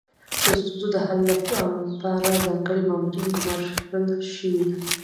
د ستونزو د حل لپاره ځانګړي مامورین ګمارل شوي.